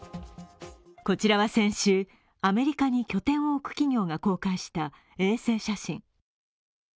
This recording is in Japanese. こちらは先週、アメリカに拠点を置く企業が公開した衛星写真。